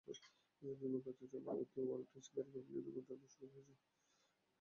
নির্মাণকাজ চলার মধ্যেই ওয়ালটন ও সিঙ্গারের প্যাভিলিয়নের পণ্য আনাও শুরু হয়ে গেছে।